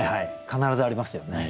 必ずありますよね。